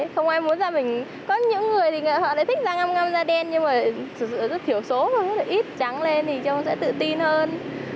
không ai muốn da mình có những người thì họ lại thích da ngâm ngâm da đen nhưng mà thật sự rất thiểu số ít trắng lên thì trông sẽ tự tin hơn